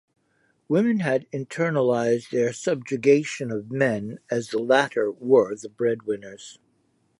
Women had internalized their subjugation of men as the latter were the breadwinners.